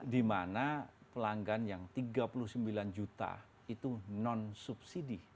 di mana pelanggan yang tiga puluh sembilan juta itu non subsidi